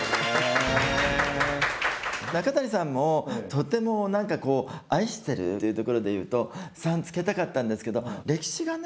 中谷さんもとても愛してるっていうところでいうと３つけたかったんですけど歴史がね